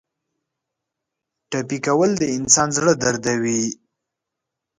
ټپي کول د انسان زړه دردوي.